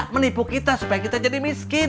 menipu kita supaya kita jadi miskin